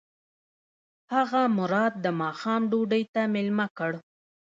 هغه مراد د ماښام ډوډۍ ته مېلمه کړ.